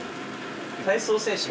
体操選手